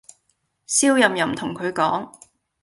笑淫淫同佢講